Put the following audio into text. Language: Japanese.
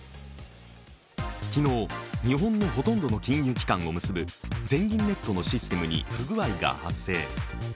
昨日、日本のほとんどの金融機関を結ぶ全銀ネットのシステムに不具合が発生。